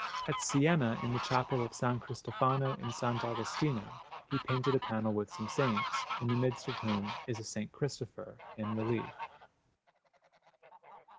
At Siena, in the Chapel of S. Cristofano in S. Agostino, he painted a panel with some saints, in the midst of whom is a S. Cristopher in relief.